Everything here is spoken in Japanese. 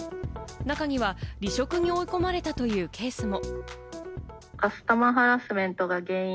中には離職に追い込まれたというケースも。